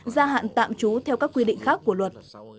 gia hạn tạm trú theo các quy định khác của luật